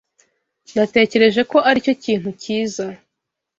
Natekereje ko aricyo kintu cyiza.